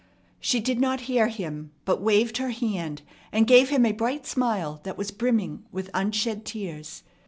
She did not hear him, but waved her hand, and gave him a bright smile that was brimming with unshed tears.